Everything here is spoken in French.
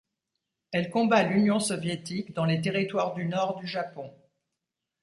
Elle combat l'Union soviétique dans les territoires du nord du Japon.